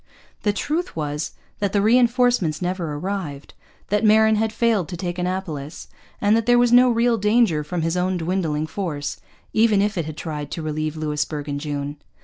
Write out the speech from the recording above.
The truth was that the reinforcements never arrived, that Marin had failed to take Annapolis, and that there was no real danger from his own dwindling force, even if it had tried to relieve Louisbourg in June.